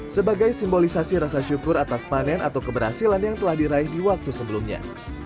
sebagai simbolisasi rasa syukur atas panen atau keberhasilan yang telah diraih di waktu sebelumnya